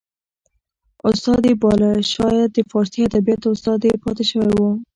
استاد یې باله شاید د فارسي ادبیاتو استاد یې پاته شوی و